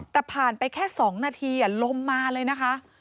แต่ผ่านไปแค่๒นาทีลมมาเลยนะคะ